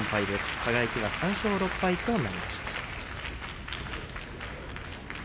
輝は３勝６敗となりました。